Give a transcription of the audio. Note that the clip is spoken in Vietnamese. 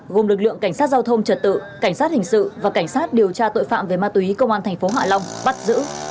gồm lực lượng cảnh sát giao thông trật tự cảnh sát hình sự và cảnh sát điều tra tội phạm về ma túy công an thành phố hạ long bắt giữ